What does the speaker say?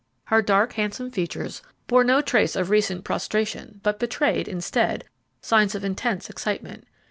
Her dark, handsome features bore no trace of recent prostration, but betrayed, instead, signs of intense excitement.